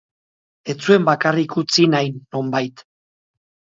Ez zuen bakarrik utzi nahi, nonbait.